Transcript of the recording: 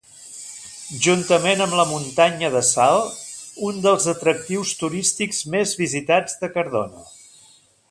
Juntament amb la Muntanya de Sal un dels atractius turístics més visitats de Cardona.